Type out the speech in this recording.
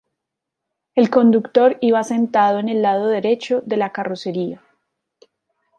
El conductor iba sentado en el lado derecho de la carrocería.